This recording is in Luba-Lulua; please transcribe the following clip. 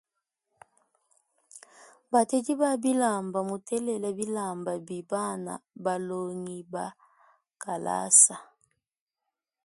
Batedi ba bilamba mutelela bilamba bi bana balongiba kalasa.